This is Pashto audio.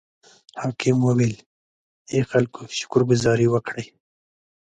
حاکم وویل: ای خلکو شکر ګذاري وکړئ.